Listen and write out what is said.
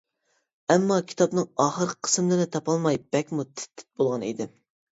ئەمما كىتابنىڭ ئاخىرقى قىسىملىرىنى تاپالماي بەكمۇ تىت-تىت بولغان ئىدىم.